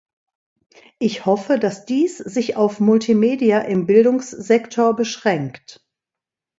Ich hoffe, dass dies sich auf Multimedia im Bildungssektor beschränkt.